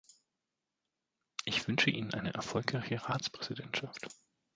Ich wünsche Ihnen eine erfolgreiche Ratspräsidentschaft.